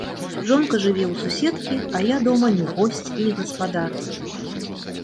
Жонка жыве ў суседкі, а я дома ні госць, ні гаспадар.